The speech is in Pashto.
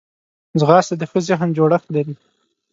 ځغاسته د ښه ذهن جوړښت لري